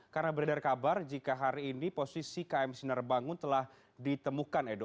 karena beredar kabar jika hari ini posisi km sinar bangun telah ditemukan edo